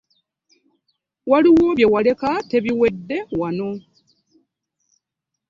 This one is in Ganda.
Waliwo bye waleka tebiwedde wano.